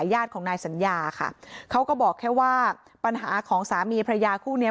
อยู่ในประยาทของนายสัญญาค่ะเขาก็บอกแค่ว่าปัญหาของสามีภัยยาคู่เนี้ย